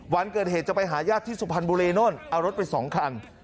วันเกิดเหตุจะไปหายาดที่สุภัณฑ์บุเรนนลเอารถไป๒ครรภ์